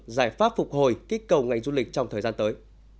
giải pháp phục hồi kích cầu ngành du lịch trong thời gian tới